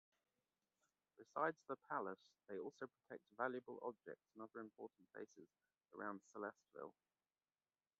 Besides the palace they also protect valuable objects and other important places around Celesteville.